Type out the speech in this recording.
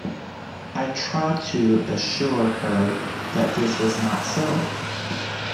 I tried to assure her that this was not so.